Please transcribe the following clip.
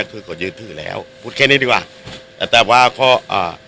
นี่คือก็ยืดถือแล้วพูดแค่นี้ดีกว่าแต่ว่าข้ออ่า